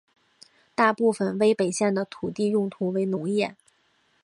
大部分威北县的土地用途为农业。